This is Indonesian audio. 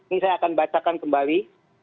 ini saya akan bacakan kembali